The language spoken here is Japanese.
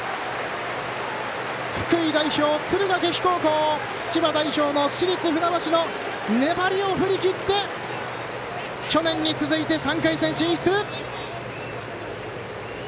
福井代表、敦賀気比高校千葉代表の市立船橋は粘りを振り切って去年に続いて３回戦進出。